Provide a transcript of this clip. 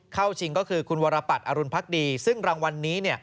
เข้าชิงก็คือคุณวรปัตรอรุณพักดีซึ่งรางวัลนี้